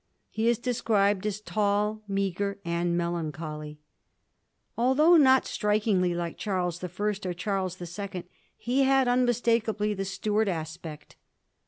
He is described as tall, meagre, and melancholy. Although not strikingly like Charles the First or Charles the Second, he had unmistakably the Stuart aspect.